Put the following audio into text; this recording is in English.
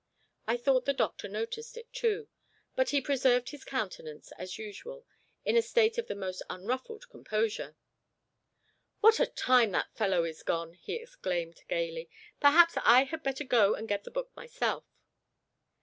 I thought the doctor noticed it too; but he preserved his countenance, as usual, in a state of the most unruffled composure. "What a time that fellow is gone!" he exclaimed gayly. "Perhaps I had better go and get the book myself."